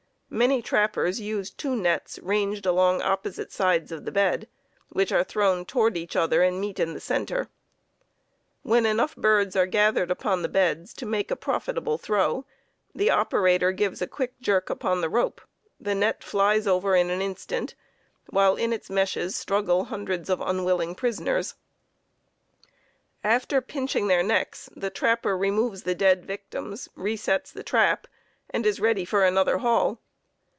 Many trappers use two nets ranged along opposite sides of the bed, which are thrown toward each other and meet in the center. When enough birds are gathered upon the beds to make a profitable throw, the operator gives a quick jerk upon the rope, the net flies over in an instant, while in its meshes struggle hundreds of unwilling prisoners. After pinching their necks the trapper removes the dead victims, resets the trap, and is ready for another haul.